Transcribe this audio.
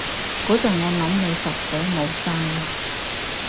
嗰陣我諗住你實死冇生喇